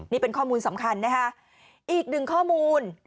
นี่เป็นข้อมูลสำคัญนะคะอีกหนึ่งข้อมูล